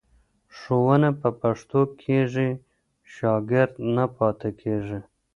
ښوونه په پښتو کېږي، شاګرد نه پاتې کېږي.